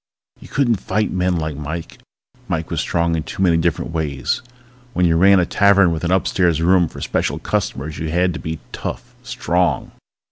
You couldn't fight men like Mike. Mike was strong in too many different ways. When you ran a tavern with an upstairs room for special customers you had to be tough, strong.